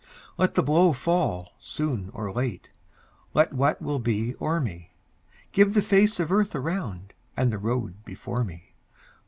Let the blow fall soon or late, Let what will be o'er me; Give the face of earth around And the road before me.